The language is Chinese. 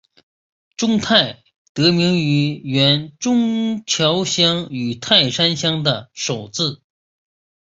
中泰得名于原中桥乡与泰山乡的首字。